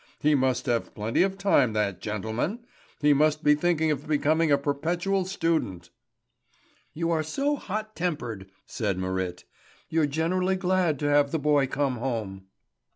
He must have plenty of time, that gentleman. He must be thinking of becoming a perpetual student!" "You are so hot tempered," said Marit. "You're generally glad to have the boy come home."